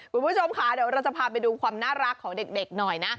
คุณผู้ชมค่ะเดี๋ยวเราจะพาไปดูความน่ารักของเด็กหน่อยนะ